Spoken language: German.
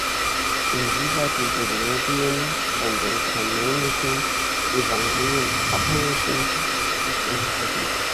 Inwieweit diese Logien von den kanonischen Evangelien abhängig sind, ist umstritten.